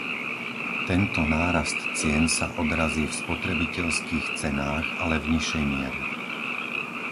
Tento nárast cien sa odrazí v spotrebiteľských cenách, ale v nižšej miere.